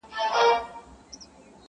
سپیني سپوږمۍ حال راته وایه.!